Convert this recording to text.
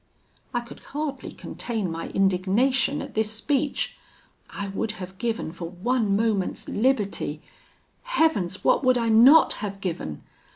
"I could hardly contain my indignation at this speech. I would have given for one moment's liberty Heavens! what would I not have given?